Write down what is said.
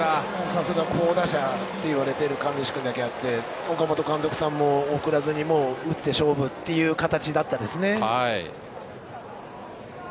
さすが好打者といわれている上石君だけあって岡本監督さんも送らずに打って勝負という形でしたね。